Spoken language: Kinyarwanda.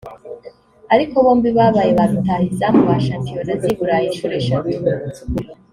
ariko bombi babaye ba rutahizamu ba shampiyona z’i Burayi inshuro eshatu